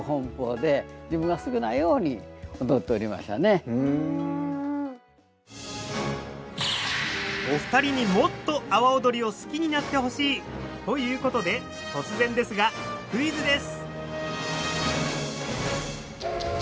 上へ行くとお二人にもっと阿波踊りを好きになってほしい！ということで突然ですがクイズです！